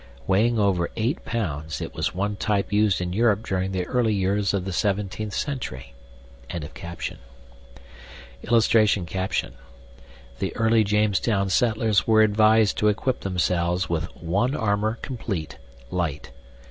WEIGHING OVER 8 POUNDS, IT WAS ONE TYPE USED IN EUROPE DURING THE EARLY YEARS OF THE 17TH CENTURY.] [Illustration: THE EARLY JAMESTOWN SETTLERS WERE ADVISED TO EQUIP THEMSELVES WITH "ONE ARMOUR COMPLEAT, LIGHT."